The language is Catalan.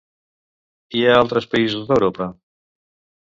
I a altres països d'Europa?